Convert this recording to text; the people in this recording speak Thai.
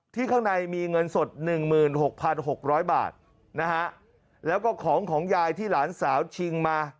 ข้างในมีเงินสด๑๖๖๐๐บาทนะฮะแล้วก็ของของยายที่หลานสาวชิงมา